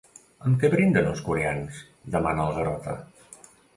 Amb què brinden, els coreans? —demana el Garota.